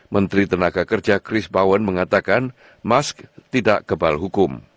menteri tenaga kerja chris bowen mengatakan musk tidak gebal hukum